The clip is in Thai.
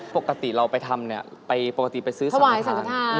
ปกติเราไปทำเนี่ยปกติไปซื้อสรรคธรรม